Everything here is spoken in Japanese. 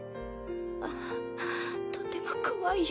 ああっとても怖い夢。